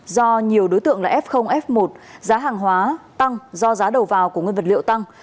do nhiều đối tượng là f f một giá hàng hóa tăng do giá đầu vào của nguyên vật liệu tăng